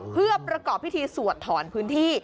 เพื่อประกอบพิธีสวดถอนพื้นที่